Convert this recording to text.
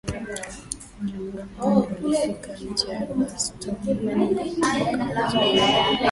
Wanamgambo wengi walifika nje ya Boston wakawazuia